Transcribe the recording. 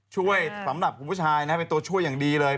ช่วยสำหรับคุณผู้ชายนะเป็นตัวช่วยอย่างดีเลย